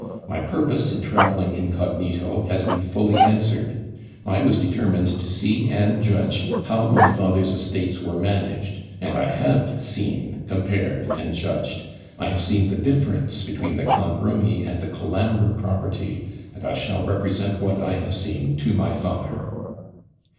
My purpose in travelling INCOGNITO has been fully answered: I was determined to see and judge how my father's estates were managed; and I have seen, compared, and judged. I have seen the difference between the Clonbrony and the Colambre property; and I shall represent what I have seen to my father.'